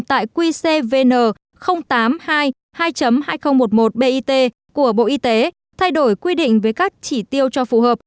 tại quy c vn tám mươi hai hai hai nghìn một mươi một bit của bộ y tế thay đổi quy định với các chỉ tiêu cho phù hợp